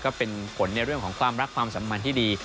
ก็เป็นผลในเรื่องของความรักความสัมพันธ์ที่ดี